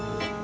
iyun ikut ya